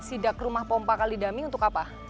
sidak rumah pompa kalidami untuk apa